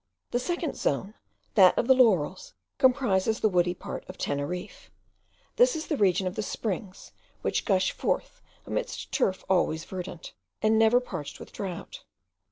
The second zone, that of the laurels, comprises the woody part of Teneriffe: this is the region of the springs, which gush forth amidst turf always verdant, and never parched with drought.